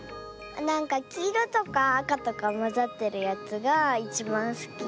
なんかきいろとかあかとかまざってるやつがいちばんすき。